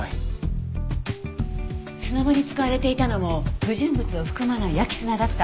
砂場に使われていたのも不純物を含まない焼砂だった。